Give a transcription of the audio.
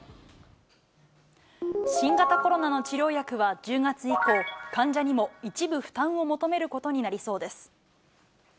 新型コロナの治療薬は１０月以降、患者にも一部負担を求めることになりそうです。